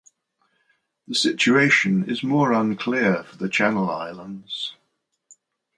The situation is more unclear for the Channel Islands.